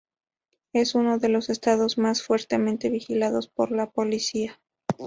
Es uno de los Estados más fuertemente vigilados por la policía.